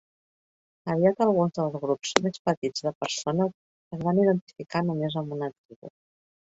Aviat alguns dels grups més petits de persones es van identificar només amb una tribu.